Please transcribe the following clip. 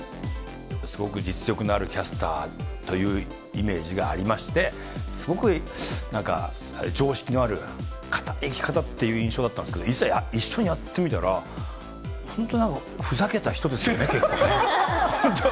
すごく実力のあるキャスターというイメージがありまして、すごくなんか、常識のある方っていう印象だったんですけど、いざ、一緒にやってみたら、本当、なんかふざけた人ですよね、結構ね。